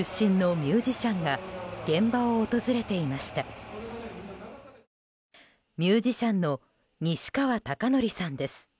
ミュージシャンの西川貴教さんです。